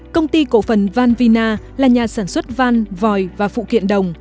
công ty cổ phần vanvina là nhà sản xuất van vòi và phụ kiện đồng